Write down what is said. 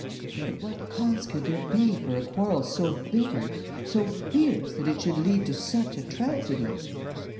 But what cause could there be for a quarrel so bitter, so fierce, that it should lead to such a tragedy?